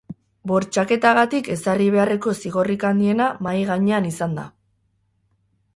Bortxaketagatik ezarri beharreko zigorrik handiena mahai gainean izan da.